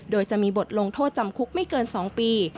โดยจะมีบทลงโทษจำคุกไม่เกิน๒ปี